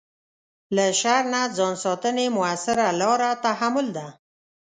له شر نه ځان ساتنې مؤثره لاره تحمل ده.